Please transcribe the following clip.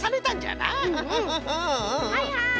はいはい！